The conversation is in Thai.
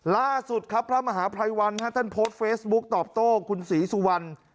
ล่าสุดครับพระมหาภัยวันท่านโพสต์เฟซบุ๊กตอบโต้คุณศรีสุวรรณ